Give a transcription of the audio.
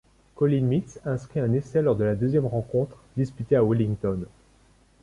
Colin Meads inscrit un essai lors de la deuxième rencontre, disputée à Wellington.